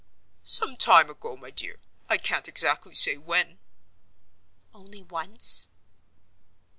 "Some time ago, my dear. I can't exactly say when." "Only once?"